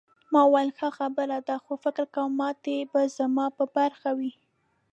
ما وویل ښه خبره ده خو فکر کوم ماتې به زما په برخه وي.